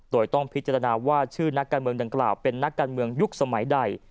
โดยต้องพิจารณาว่าชื่อนักการเมืองดังกล่าวเป็นนักการเมืองยุคสมัยใด